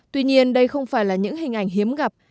tuy nhiên đây không phải là những hình ảnh hiếm gặp